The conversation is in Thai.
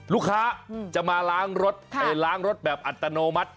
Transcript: ลูกค้าจะมาล้างรถแบบอันตโนมัติ